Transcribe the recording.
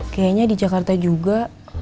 kayaknya di jakarta juga